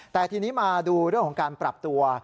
แต่ทีนี้มาดูเรื่องของการปรับตัว